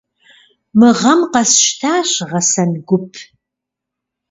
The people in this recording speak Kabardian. Мы гъэм къэсщтащ гъэсэн гуп.